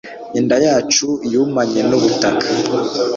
inda yacu yumanye n’ubutaka